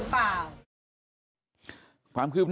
คือนั่งก็บอกเลยได้